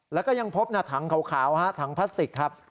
แล้วก็ยังพบถังขาวถังพลาสติกครับ